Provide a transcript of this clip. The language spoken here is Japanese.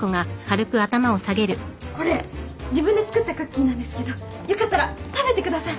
これ自分で作ったクッキーなんですけどよかったら食べてください。